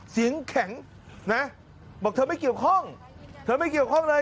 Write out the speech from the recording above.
เสียงแข็งนะบอกเธอไม่เกี่ยวข้องเธอไม่เกี่ยวข้องเลย